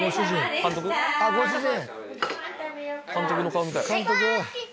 監督の顔見たい。